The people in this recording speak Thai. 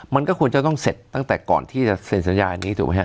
มันก็ควรจะต้องเสร็จตั้งแต่ก่อนที่จะเซ็นสัญญานี้ถูกไหมฮ